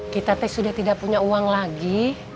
kita sudah tidak punya uang lagi